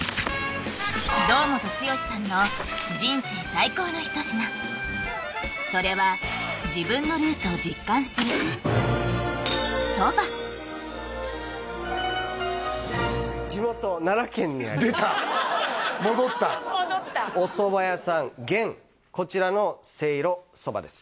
堂本剛さんの人生最高の一品それは自分のルーツを実感する出た戻った戻ったお蕎麦屋さん玄こちらのせいろ蕎麦です